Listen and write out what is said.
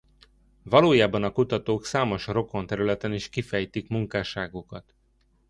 Valójában a kutatók számos rokon területen is kifejtik munkásságukat.